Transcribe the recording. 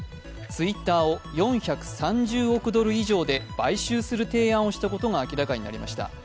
ツイッターを４３０億ドル以上で買収する提案をしたことが分かりました。